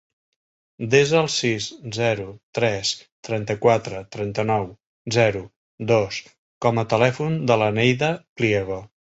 Desa el sis, zero, tres, trenta-quatre, trenta-nou, zero, dos com a telèfon de la Neida Pliego.